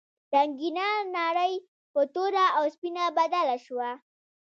رنګینه نړۍ په توره او سپینه بدله شوه.